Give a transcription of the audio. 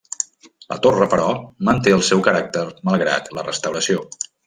La torre, però, manté el seu caràcter malgrat la restauració.